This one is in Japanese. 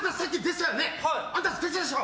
あんた出てたでしょ？